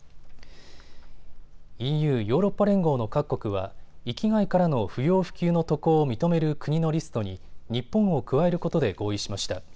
ＥＵ・ヨーロッパ連合の各国は域外からの不要不急の渡航を認める国のリストに日本を加えることで合意しました。